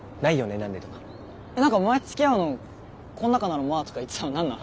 何か前つきあうのこん中ならまあとか言ってたの何なの？